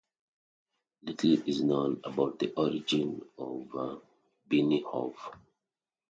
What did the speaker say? Little is known about the origin of the Binnenhof.